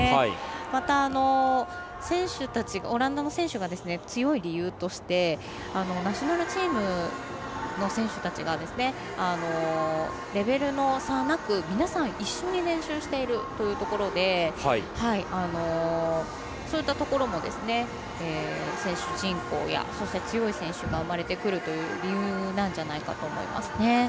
また、オランダの選手が強い理由としてナショナルチームの選手たちがレベルの差なく、皆さん一緒に練習しているということでそういったところも選手人口やそして、強い選手が生まれてくるという理由なんじゃないかなと思います。